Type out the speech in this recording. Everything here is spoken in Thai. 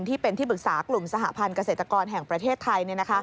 ที่เป็นที่ปรึกษากลุ่มสหพันธ์เกษตรกรแห่งประเทศไทย